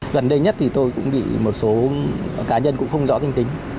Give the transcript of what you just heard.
gần đây nhất thì tôi cũng bị một số cá nhân cũng không rõ danh tính